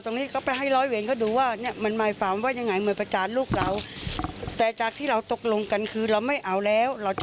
ไม่ได้รับรู้จักตรงนั้นเลย